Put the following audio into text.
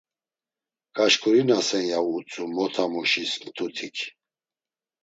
Gaşkurinasen ya utzu motamuşis mtutik.